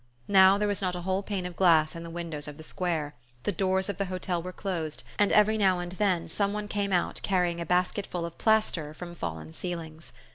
Now there was not a whole pane of glass in the windows of the square, the doors of the hotel were closed, and every now and then some one came out carrying a basketful of plaster from fallen ceilings.